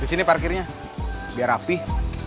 disini parkirnya biar rapih